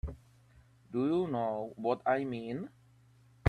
Do you know what I mean?